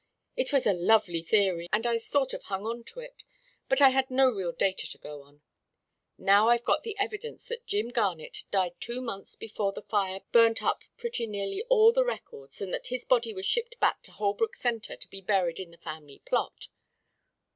It was a lovely theory, and I sort of hung on to it. But I had no real data to go on. Now I've got the evidence that Jim Garnett died two months before the fire burnt up pretty nearly all the records, and that his body was shipped back to Holbrook Centre to be buried in the family plot.